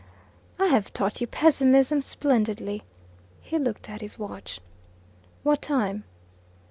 "I have taught you pessimism splendidly." He looked at his watch. "What time?"